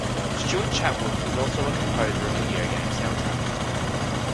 Stuart Chatwood is also a composer of video game soundtracks.